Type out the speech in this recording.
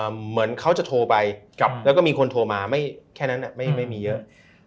เหมือนเขาจะโทรไปแล้วก็มีคนโทรมาไม่แค่นั้นไม่มีเยอะ